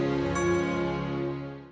menghadapi semua ini